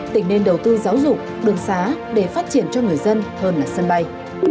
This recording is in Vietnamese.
tỉnh nên đầu tư giáo dục đường xá để phát triển cho người dân hơn là sân bay